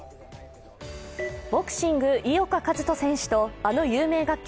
ボクシング、井岡一翔選手と、あの有名楽曲